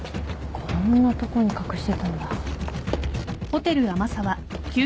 こんなとこに隠してたんだ。